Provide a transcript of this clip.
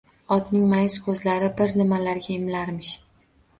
Otning ma’yus ko‘zlari bir nimalarga imlarmish.